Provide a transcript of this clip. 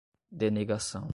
denegação